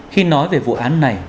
khi nói về vụ án này